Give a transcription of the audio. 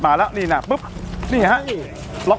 ปรากฏว่าจังหวัดที่ลงจากรถ